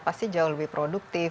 pasti jauh lebih produktif